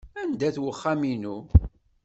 Anda-t wexxam-inu?